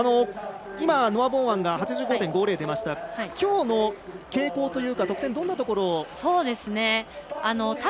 今、ノア・ボーマンが８５．５０出ましたがきょうの傾向というか得点、どんなところを？